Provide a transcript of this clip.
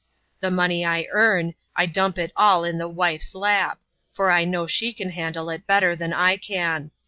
The money I earn, I dump it all in the wife's lap, for I know she can handle it better than I can!